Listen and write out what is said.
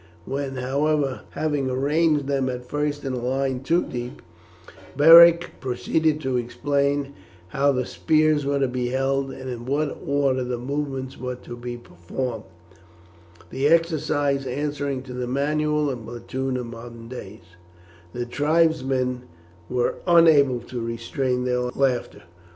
When, however, having arranged them at first in a line two deep, Beric proceeded to explain how the spears were to be held, and in what order the movements were to be performed, the exercise answering to the manual and platoon of modern days, the tribesmen were unable to restrain their laughter.